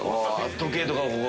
時計とかはここ。